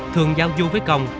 thường giao du với công